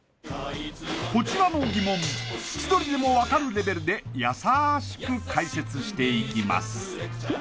こちらの疑問千鳥でも分かるレベルでやさしく解説していきます